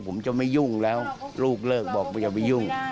ผมจะไม่ยุ่งแล้วลูกเลิกบอกอย่าไปยุ่ง